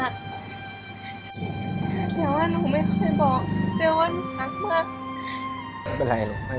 แต่ว่าลูกไม่ค่อยบอกแต่ว่าลูกรักมาก